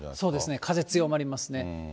風強まりますね。